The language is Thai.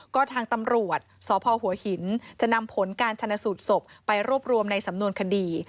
ก็ทางตำรวจสพหัวหินจะนำผลการชนะสูตรศพไปรวบรวมในสำนวนคดี